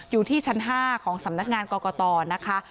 อยู่ที่ชั้น๕ของสำนักงานกรกตนะคะ